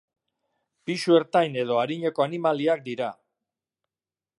Pisu ertain edo arineko animaliak dira.